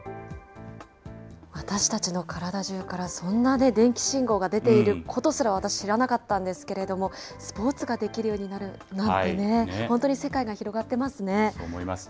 私たちの体中からそんな電気信号が出ていることすら、私、知らなかったんですけれども、スポーツができるようになるなんてね、本当に世界が広がってますね。